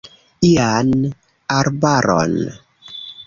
Ian arbaron.